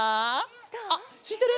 あっしってる？